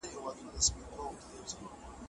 هغه د خپلو مخالفینو د ماتې لپاره اقدامات وکړل.